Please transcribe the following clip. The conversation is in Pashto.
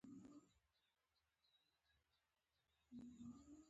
• زوی د پلار د لاس برکت وي.